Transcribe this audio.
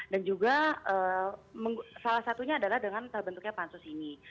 dan juga salah satunya adalah dengan terbentuknya pansus ini